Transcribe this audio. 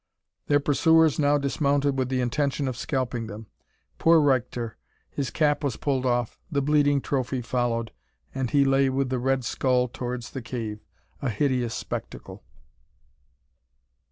Their pursuers now dismounted with the intention of scalping them. Poor Reichter! his cap was pulled off; the bleeding trophy followed, and he lay with the red skull towards the cave a hideous spectacle!